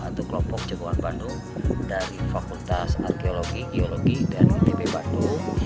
atau kelompok jagoan bandung dari fakultas arkeologi geologi dan itb bandung